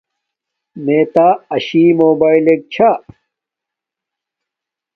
میےتا اشی موباݵلک چھا